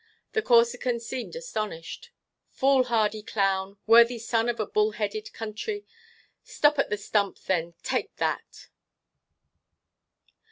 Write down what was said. The Corsican seemed astonished. "Fool hardy clown, worthy son of a bull headed country, stop at the stump then, take that."